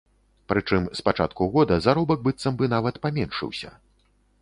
Прычым з пачатку года заробак быццам бы нават паменшыўся.